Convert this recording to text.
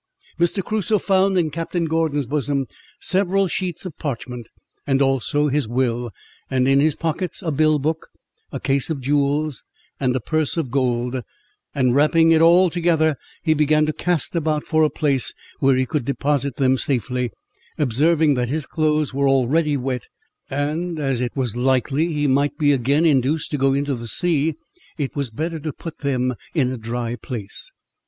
Mr. Crusoe found in Captain Gordon's bosom several sheets of parchment, and also his will, and in his pockets a bill book, a case of jewels, and a purse of gold; and wrapping all up together, he began to cast about for a place where he could deposit them safely, observing, that his clothes were already wet, and as it was likely he might be again induced to go into the sea, it was better to put them in a dry place.